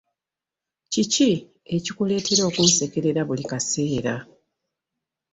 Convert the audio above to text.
Kiki ekikuletera okunsekerera buli kaseera?